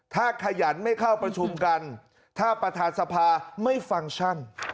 ถ้าขยันไม่เข้าประชุมกันถ้าประธานสภาไม่ฟังก์ชั่น